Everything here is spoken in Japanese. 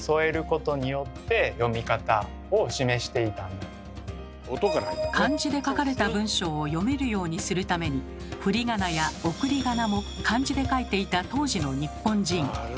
このような形で漢字で書かれた文章を読めるようにするためにふりがなや送りがなも漢字で書いていた当時の日本人。